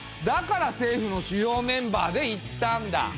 だから政府の主要メンバーで行ったんだ。